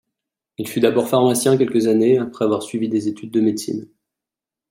Il fut d'abord pharmacien quelques années, après avoir suivi des études de médecine.